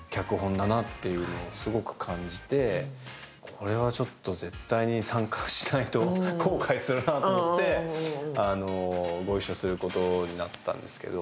これはちょっと、絶対に参加しないと後悔するなと思ってご一緒することになったんですけど。